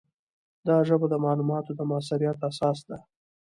دا ژبه د معلوماتو د موثریت اساس ده.